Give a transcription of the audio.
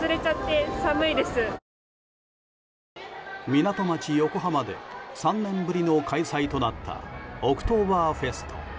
港町・横浜で３年ぶりの開催となったオクトーバーフェスト。